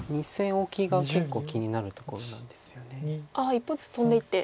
一歩ずつトンでいって。